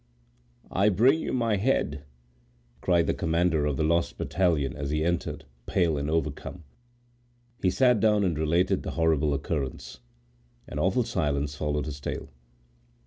"I bring you my head!" cried the commander of the lost battalion as he entered, pale and overcome. He sat down and related the horrible occurrence. An awful silence followed his tale.